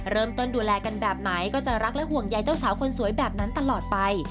เริ่มต้นดูแลกันแบบไหนก็จะรักและห่วงใยเจ้าสาวคนสวยแบบนั้นตลอดไป